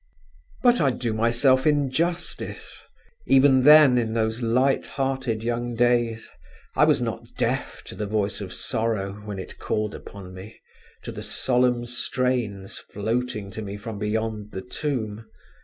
But I do myself injustice. Even then, in those light hearted young days, I was not deaf to the voice of sorrow, when it called upon me, to the solemn strains floating to me from beyond the tomb.